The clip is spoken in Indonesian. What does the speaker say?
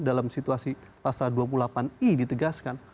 dalam situasi pasal dua puluh delapan i ditegaskan